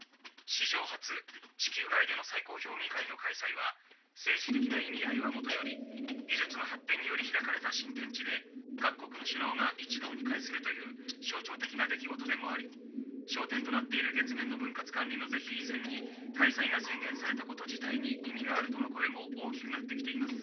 「史上初地球外での最高評議会の開催は政治的な意味合いはもとより技術の発展により開かれた新天地で各国の首脳が一堂に会するという象徴的な出来事でもあり焦点となっている月面の分割管理の是非以前に『開催が宣言されたこと自体に意味がある』との声も大きくなってきています」。